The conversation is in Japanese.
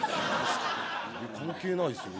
関係ないですよね。